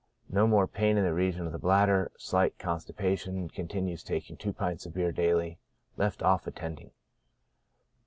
No more pain in the region of the bladder, slight constipation 5 continues taking two pints of beer daily. Left oiF attending.